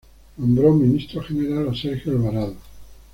Nombró ministro general a Sergio Alvarado.